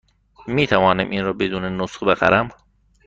می توانم این را بدون نسخه بخرم؟